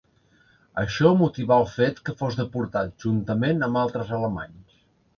Això motivà el fet que fos deportat, juntament amb altres alemanys.